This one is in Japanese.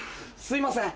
すいません。